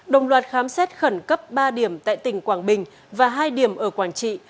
đồng loạt khám xét khẩn cấp ba điểm tại tỉnh quảng bình và hai điểm ở quảng trị